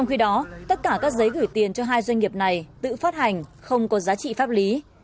nhưng mà các giấy gửi tiền cho hai doanh nghiệp này tự phát hành không có giá trị pháp lý